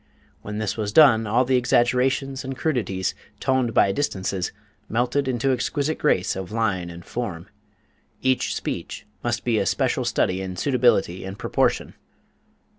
When this was done all the exaggerations and crudities, toned by distances, melted into exquisite grace of line and form. Each speech must be a special study in suitability and proportion.